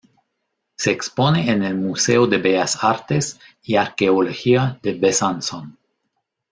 Se expone en el Museo de Bellas Artes y Arqueología de Besanzón.